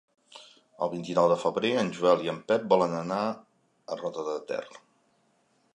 El vint-i-nou de febrer en Joel i en Pep volen anar a Roda de Ter.